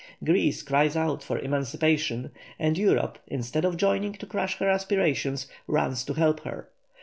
Greece cries out for emancipation, and Europe instead of joining to crush her aspirations, runs to help her.